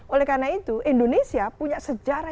oleh karena itu indonesia punya sejarah